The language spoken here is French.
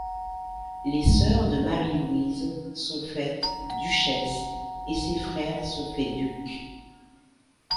Les sœurs de Marie-Louise sont faites duchesses et ses frères sont faits ducs.